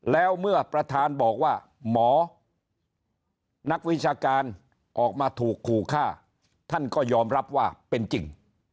แล้วเมื่อประธานบอกว่าหมอนักวิชาการออกมาถูกขู่ฆ่าท่านก็ยอมรับว่าเป็นจริง